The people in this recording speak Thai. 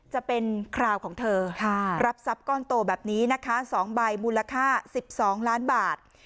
จะเป็นคราวของเธอรับทรัพย์ก้อนโตแบบนี้นะคะ๒ใบมูลค่า๑๒ล้านบาท